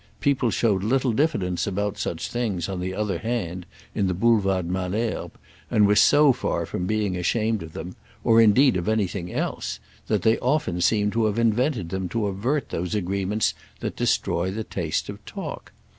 People showed little diffidence about such things, on the other hand, in the Boulevard Malesherbes, and were so far from being ashamed of them—or indeed of anything else—that they often seemed to have invented them to avert those agreements that destroy the taste of talk.